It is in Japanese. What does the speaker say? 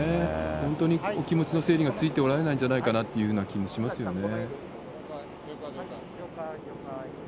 本当にお気持ちの整理がついておられないんじゃないかって気もしますよね。